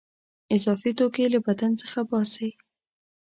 اضافي توکي له بدن څخه باسي.